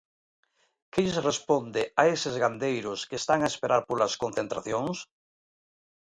¿Que lles responde a eses gandeiros que están a esperar polas concentracións?